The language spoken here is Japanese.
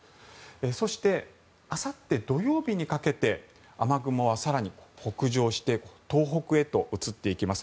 そして、あさって土曜日にかけて雨雲は更に北上して東北へと移っていきます。